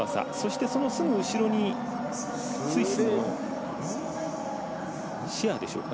そのすぐ後ろにスイスのシェアでしょうか。